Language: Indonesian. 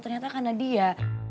ternyata karena dia